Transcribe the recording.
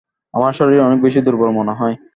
আমার শরীর অনেক বেশি দুর্বল মনে হয়।